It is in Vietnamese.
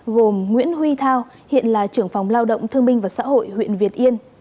gồm nguyễn huy thao hiện là trưởng phòng lao động thương minh và xã hội huyện việt yên